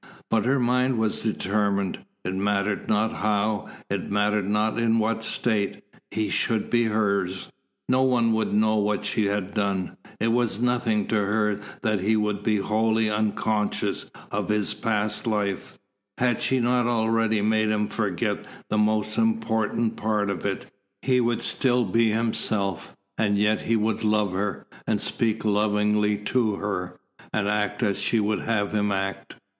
But her mind was determined. It mattered not how, it mattered not in what state, he should be hers. No one would know what she had done. It was nothing to her that he would be wholly unconscious of his past life had she not already made him forget the most important part of it? He would still be himself, and yet he would love her, and speak lovingly to her, and act as she would have him act.